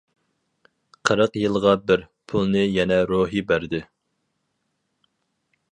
-قىرىق يىلغا بىر. پۇلنى يەنە روھى بەردى.